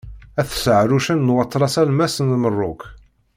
At Seɣrucen n Waṭlas Alemmas n Merruk.